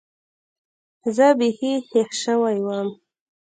زه بيخي هېښ سوى وم.